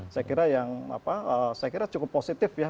saya kira yang cukup positif ya